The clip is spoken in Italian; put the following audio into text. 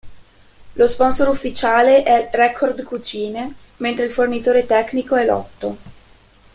Lo sponsor ufficiale è Record Cucine, mentre il fornitore tecnico è Lotto.